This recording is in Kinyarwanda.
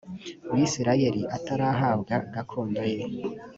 bisirayeli atarahabwa gakondo ye